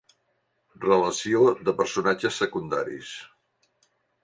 Relació de personatges secundaris.